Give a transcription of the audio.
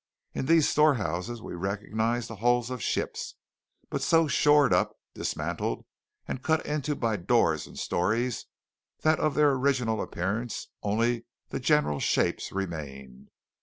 In these storehouses we recognized the hulls of ships, but so shored up, dismantled, and cut into by doors and stories that of their original appearance only their general shapes remained.